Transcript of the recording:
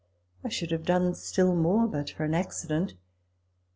I should have done still more but for an accident.